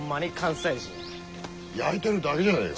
焼いてるだけじゃねえか。